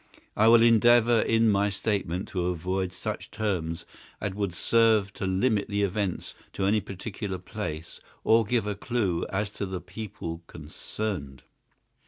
I will endeavour in my statement to avoid such terms as would serve to limit the events to any particular place, or give a clue as to the people concerned.